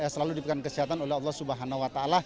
selalu diperhatikan oleh allah swt